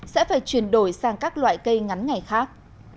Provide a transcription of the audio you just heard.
sẽ phải chuyển đổi sang các loại cây ngắn ngày khác